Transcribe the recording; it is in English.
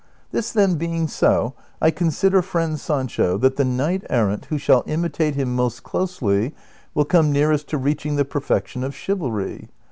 This, then, being so, I consider, friend Sancho, that the knight errant who shall imitate him most closely will come nearest to reaching the perfection of chivalry.